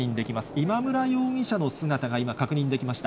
今村容疑者の姿が今、確認できました。